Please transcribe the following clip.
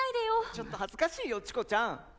ちょっと恥ずかしいよチコちゃん。